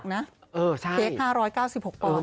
๕๙๖นะเค้ก๕๙๖ปอนด์